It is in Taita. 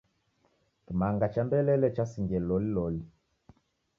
Kimanga cha mbelele chasingie loliloli.